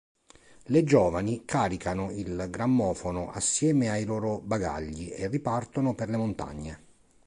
Le giovani caricano il grammofono assieme ai loro bagagli e ripartono per le montagne.